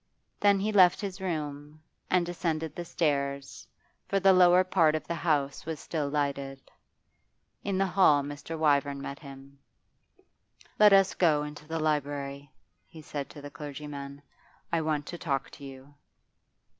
Then he left his room, and descended the stairs, for the lower part of the house was still lighted. In the hall Mr. Wyvern met him. 'Let us go into the library,' he said to the clergyman. 'I want to talk to you.